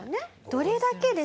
どれだけですね